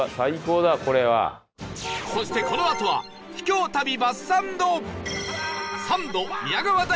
そしてこのあとは秘境旅バスサンド